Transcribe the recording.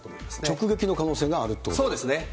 直撃の可能性があるというこそうですね。